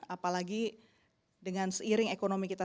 apalagi dengan seiring ekonomi kita